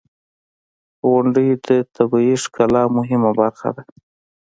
• غونډۍ د طبیعی ښکلا مهمه برخه ده.